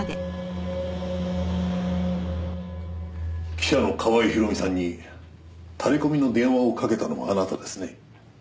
記者の川合ひろみさんにタレコミの電話をかけたのもあなたですね？